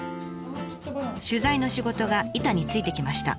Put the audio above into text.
取材の仕事が板についてきました。